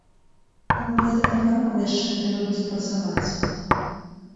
Таму ў гэтым напрамку яшчэ трэба будзе працаваць.